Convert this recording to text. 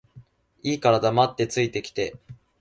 いいから黙って着いて来て